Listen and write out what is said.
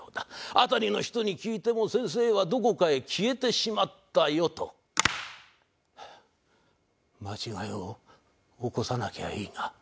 辺りの人に聞いても「先生はどこかへ消えてしまったよ」と。間違いを起こさなきゃいいが。